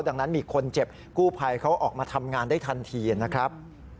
ดังนั้นมีคนเจ็บกู้ภัยเขาออกมาทำงานได้ทันทีนะครับ